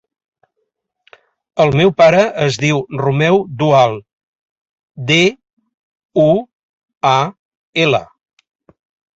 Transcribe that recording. El meu pare es diu Romeo Dual: de, u, a, ela.